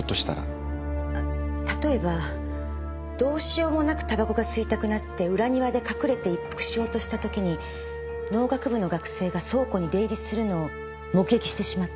例えばどうしようもなく煙草が吸いたくなって裏庭で隠れて一服しようとした時に農学部の学生が倉庫に出入りするのを目撃してしまった。